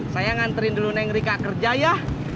saya nganterin dulu neng rika kerja ya